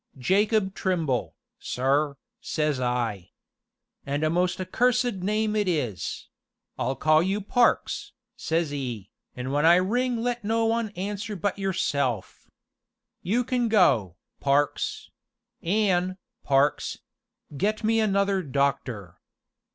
'Jacob Trimble, sir,' says I. 'An' a most accursed name it is! I'll call you Parks,' says 'e, 'an' when I ring let no one answer but yourself. You can go, Parks an', Parks get me another doctor.'